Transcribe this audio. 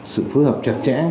sự phối hợp chặt chẽ